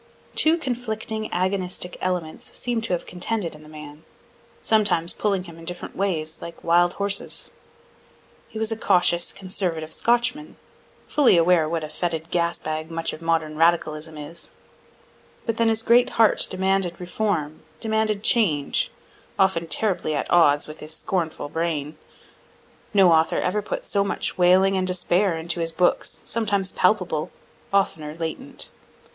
Two conflicting agonistic elements seem to have contended in the man, sometimes pulling him different ways like wild horses. He was a cautious, conservative Scotchman, fully aware what a foetid gas bag much of modern radicalism is; but then his great heart demanded reform, demanded change often terribly at odds with his scornful brain. No author ever put so much wailing and despair into his books, sometimes palpable, oftener latent.